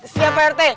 siap pak rt